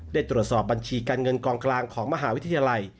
ได้ตรวจสอบบัญชีการเงินกองกลางของมหาวิทยาลัย